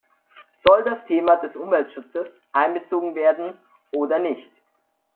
Soll das Thema des Umweltschutzes einbezogen werden oder nicht?